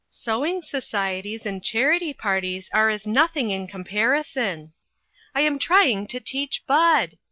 Sewing societies and charity parties are as nothing in comparison. I am trying to teach Bud